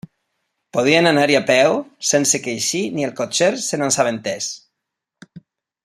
Podien anar-hi a peu, sense que així ni el cotxer se n'assabentés.